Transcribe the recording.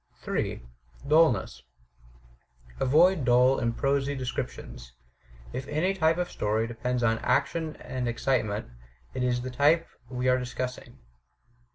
J, DtUlness Avoid dull and prosy description. If any t)^e of story depends on action and excitement, it is the type we are dis cussing.